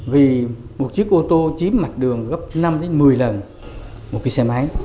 vì một chiếc ô tô chiếm mặt đường gấp năm một mươi lần một cái xe máy